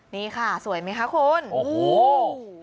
นี่ค่ะสวยไหมคะคุณโอ้โห